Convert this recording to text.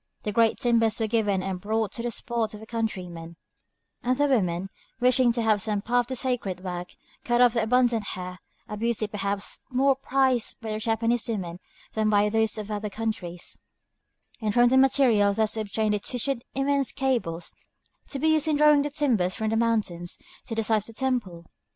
The great timbers were given and brought to the spot by the countrymen; and the women, wishing to have some part in the sacred work, cut off their abundant hair, a beauty perhaps more prized by the Japanese women than by those of other countries, and from the material thus obtained they twisted immense cables, to be used in drawing the timbers from the mountains to the site of the temple.